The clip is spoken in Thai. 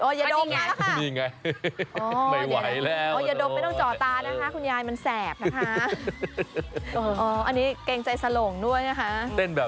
โอ้ยยะดมแล้วค่ะ